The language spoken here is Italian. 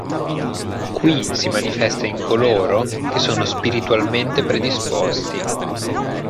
Qui si manifesta in coloro che sono spiritualmente predisposti.